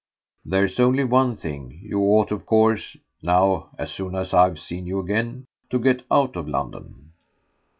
There's only one thing: you ought of course, now, as soon as I've seen you again, to get out of London."